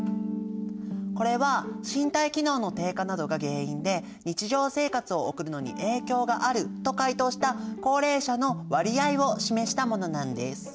これは身体機能の低下などが原因で日常生活を送るのに影響があると回答した高齢者の割合を示したものなんです。